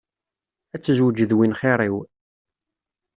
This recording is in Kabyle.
Ad tezweğ d win xiṛ-iw.